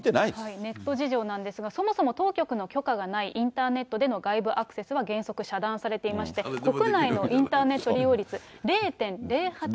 ネット事情なんですが、そもそも当局の許可がないインターネットでの外部アクセスは原則遮断されていまして、国内のインターネット利用率０．０８％。